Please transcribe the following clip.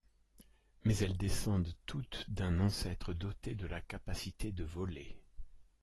Mais elles descendent toutes d'un ancêtre doté de la capacité de voler.